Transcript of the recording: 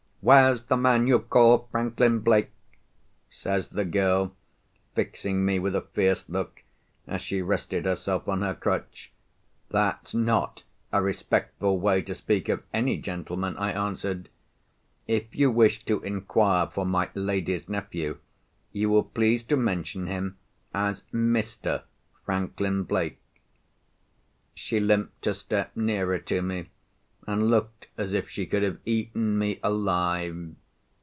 "Where's the man you call Franklin Blake?" says the girl, fixing me with a fierce look, as she rested herself on her crutch. "That's not a respectful way to speak of any gentleman," I answered. "If you wish to inquire for my lady's nephew, you will please to mention him as Mr. Franklin Blake." She limped a step nearer to me, and looked as if she could have eaten me alive.